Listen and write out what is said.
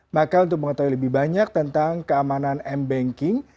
maka untuk mengetahui lebih banyak tentang keamanan m banking